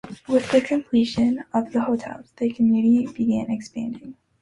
With the completion of the hotel, the community began expanding.